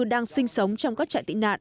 đang sinh sống trong các trại tị nạn